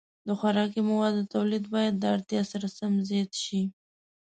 د خوراکي موادو تولید باید د اړتیا سره سم زیات شي.